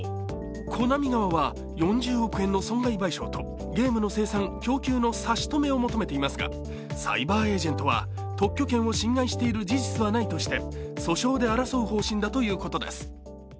コナミ側は４０億円の損害賠償とゲームの生産・供給の差し止めを求めていますがサイバーエージェントは特許権を侵害している事実はないとして訴訟で争う方針だということです。